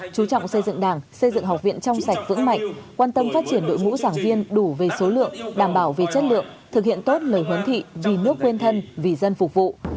chú trọng xây dựng đảng xây dựng học viện trong sạch vững mạnh quan tâm phát triển đội ngũ giảng viên đủ về số lượng đảm bảo về chất lượng thực hiện tốt lời huấn thị vì nước quên thân vì dân phục vụ